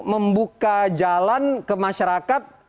membuka jalan ke masyarakat